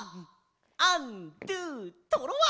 アンドゥトロワ！